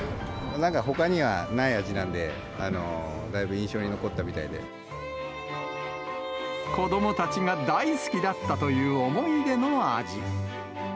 なんか、ほかにはない味なんで、子どもたちが大好きだったという思い出の味。